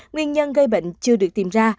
nguyên nhân gây bệnh chưa được tìm ra